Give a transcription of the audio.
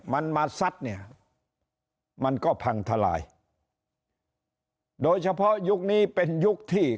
มันมาซัดเนี่ยมันก็พังทลายโดยเฉพาะยุคนี้เป็นยุคที่